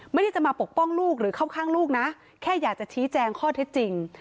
ไม่ได้จะมาปกป้องลูกหรือเข้าข้างลูกนะแค่อยากจะชี้แจงข้อเท็จจริง